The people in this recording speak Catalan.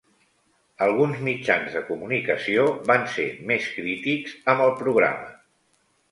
Alguns mitjans de comunicació van ser més crítics amb el programa.